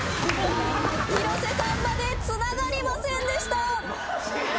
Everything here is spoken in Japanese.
広瀬さんまでつながりませんでした。